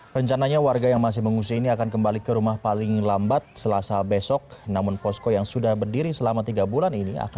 hal amannya membersihkan rumah rumahnya dan peralatannya